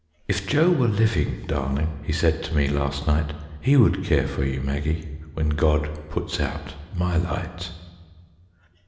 "'If Joe were living darling,' He said to me last night, 'He would care for you, Maggie, When God puts out my light.'"